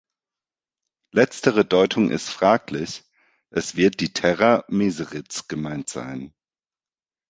Letztere Deutung ist fraglich, es wird die terra Meseritz gemeint sein.